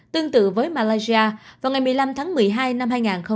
tương tự với malaysia vào ngày một mươi năm tháng một mươi hai năm hai nghìn hai mươi